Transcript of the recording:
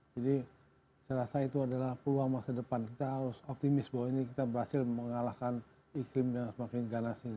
jadi saya rasa itu adalah peluang masa depan kita harus optimis bahwa ini kita berhasil mengalahkan iklim yang semakin ganas ini